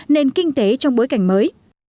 nền kinh tế trong bối cảnh mới